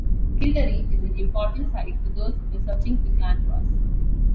Kildary is an important site for those researching the Clan Ross.